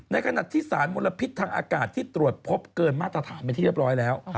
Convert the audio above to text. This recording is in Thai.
ในขณะที่สารมลพิษทางอากาศที่ตรวจพบเกินมาตรฐานเป็นที่เรียบร้อยแล้ว